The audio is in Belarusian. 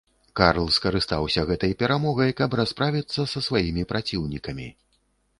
Карл скарыстаўся гэтай перамогай, каб расправіцца са сваімі праціўнікамі.